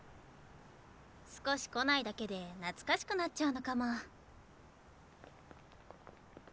少し来ないだけで懐かしくなっちゃうのかも。